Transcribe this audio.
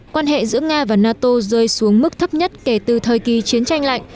quan hệ giữa nga và nato rơi xuống mức thấp nhất kể từ thời kỳ chiến tranh lạnh